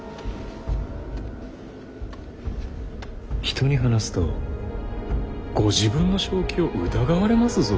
人に話すとご自分の正気を疑われますぞ。